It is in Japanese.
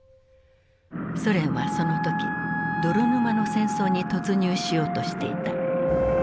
ソ連はその時泥沼の戦争に突入しようとしていた。